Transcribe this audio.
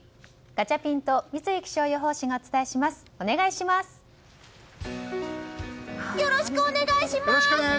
ガチャピンと三井気象予報士がよろしくお願いします！